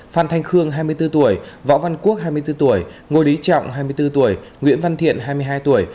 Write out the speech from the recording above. phan thanh khương hai mươi bốn tuổi võ văn quốc hai mươi bốn tuổi ngô lý trọng hai mươi bốn tuổi nguyễn văn thiện hai mươi hai tuổi